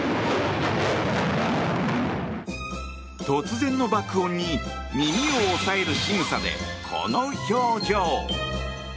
突然の爆音に耳を押さえるしぐさでこの表情。